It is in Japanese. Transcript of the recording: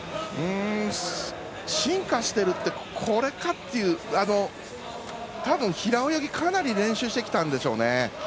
進化しているってこれかっていう多分、平泳ぎかなり練習してきたんでしょうね。